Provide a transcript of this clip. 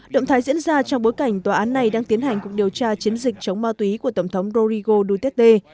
động thái diễn ra trong bối cảnh tòa án này đang tiến hành cuộc điều tra chiến dịch chống ma túy của tổng thống roigo duterte